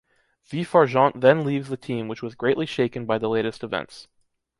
Vif-Argent then leaves the team which was greatly shaken by the latest events.